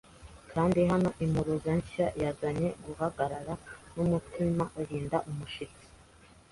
Kandi hano impuruza nshya yanzanye guhagarara numutima uhinda umushyitsi.